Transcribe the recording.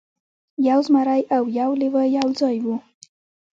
یو زمری او یو لیوه یو ځای وو.